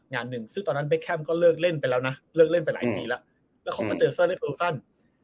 หนึ่งซึ่งตอนนั้นเบคแคมก็เลิกเล่นไปแล้วนะเลิกเล่นไปหลายปีแล้วแล้วเขาก็เจอเซอร์เล็กโอซัน